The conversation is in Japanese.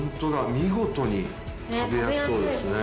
見事に食べやすそうですね。